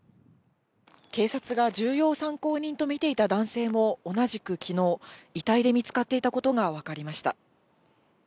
警察が重要参考人と見ていた男性も、同じくきのう、遺体で見つかっていたことが分かりました。